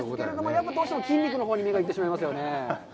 やっぱりどうしても筋肉のほうに目がいってしまいますよね。